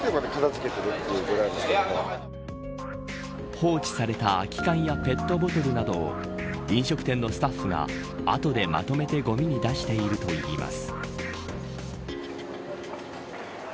放置された空き缶やペットボトルなどを飲食店のスタッフがあとでまとめてごみに出しているといいます。